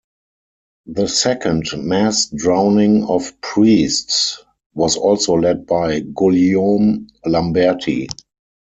The second mass drowning of priests was also led by Guillaume Lamberty.